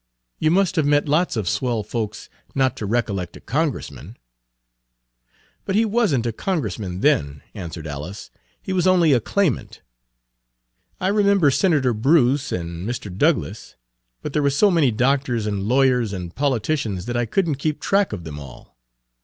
You must have met lots of swell folks not to recollect a Congressman." Page 107 "But he was n't a Congressman then," answered Alice; "he was only a claimant. I remember Senator Bruce, and Mr. Douglass; but there were so many doctors and lawyers and politicians that I could n't keep track of them all.